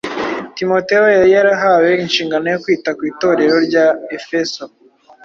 Timoteyo yari yarahawe inshingano yo kwita ku Itorero rya Efeso